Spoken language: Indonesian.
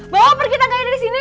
bawa pergi tangganya dari sini